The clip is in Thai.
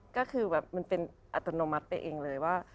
ก็คือแบบมันเป็นอัตโนมัติไปเองเลยว่า